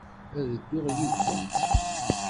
Ad dduɣ yid-kent.